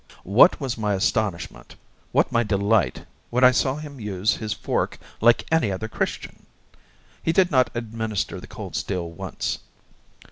What was my astonishment, what my delight, when I saw him use his fork like any other Christian! He did not administer the cold steel once.